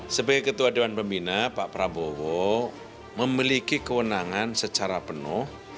sebagai ketua dewan pembina pak prabowo memiliki kewenangan secara penuh